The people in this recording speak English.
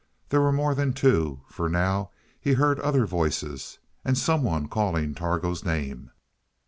There were more than two, for now he heard other voices, and some one calling Targo's name.